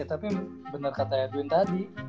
ya tapi bener kata edwin tadi